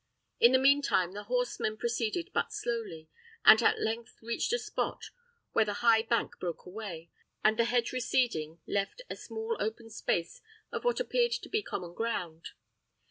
In the mean time the horsemen proceeded but slowly, and at length reached a spot where the high bank broke away, and the hedge receding left a small open space of what appeared to be common ground.